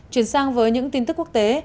chuyển sang với những tin tức quốc tế